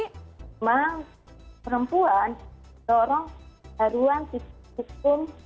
karena itu perempuan dorong haruan sisi hukum